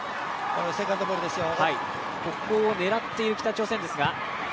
セカンドボールですよ。